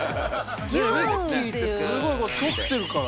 ミッキーってすごいそってるから。